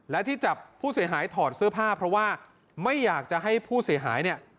และที่จับผู้เสียหายถอดเสื้อผ้าเพราะว่าไม่อยากจะให้ผู้เสียหายเนี่ย